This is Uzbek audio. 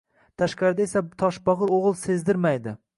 Tashqarida esa toshbagʻir oʻgʻil sezdirmaydi